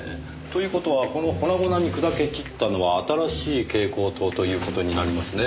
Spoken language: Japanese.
という事はこの粉々に砕け散ったのは新しい蛍光灯という事になりますねぇ。